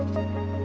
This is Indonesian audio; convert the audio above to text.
baik pak bos